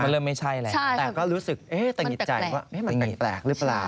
เริ่มไม่ใช่แล้วแต่ก็รู้สึกตะหิดใจว่ามันแปลกหรือเปล่า